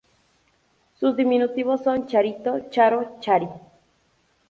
Sus diminutivos son Charito, Charo, Chari.